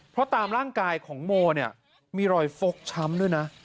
เพราะตามร่างกายของโมเนี่ยมีรอยฟกช้ำด้วยนะ